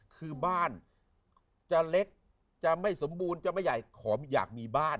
คือบ้านจะเล็กจะไม่สมบูรณ์จะไม่ใหญ่ขออยากมีบ้าน